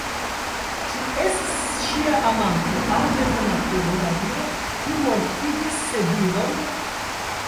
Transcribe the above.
Ĉu estis ŝia amanto aŭ nekonatulo la viro, kiu mortigis Sedilon?